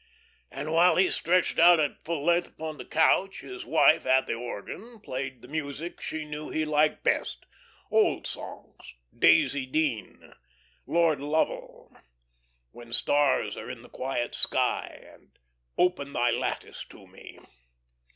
And while he stretched out at full length upon the couch, his wife, at the organ, played the music she knew he liked best old songs, "Daisy Dean," "Lord Lovell," "When Stars Are in the Quiet Sky," and "Open Thy Lattice to Me."